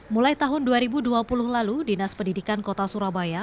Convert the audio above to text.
mulai tahun dua ribu dua puluh lalu dinas pendidikan kota surabaya